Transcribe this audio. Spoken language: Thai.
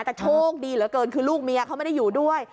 แต่โชคดีเหลือเกินคือลูกเมียเขาไม่ได้อยู่ด้วย